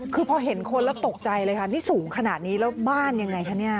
คือพอเห็นคนแล้วตกใจเลยค่ะนี่สูงขนาดนี้แล้วบ้านยังไงคะเนี่ย